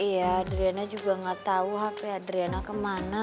iya adriana juga nggak tahu hp adriana kemana